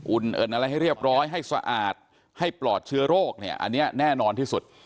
เอิญอะไรให้เรียบร้อยให้สะอาดให้ปลอดเชื้อโรคเนี่ยอันนี้แน่นอนที่สุด